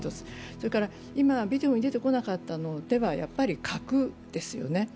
それから、今ＶＴＲに出てこなかったのは例えば、やっぱり核ですよね。